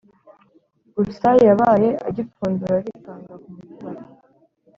gusa yabaye agipfundura arikanga, kumutima ati: